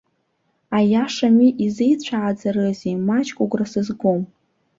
Аиашами, изеицәааӡарызеи, маҷк угәра сызгом!